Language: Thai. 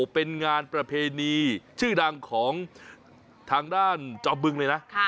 เป็นงานประเพณีชื่อดังของทางด้านจอมบึงเลยนะ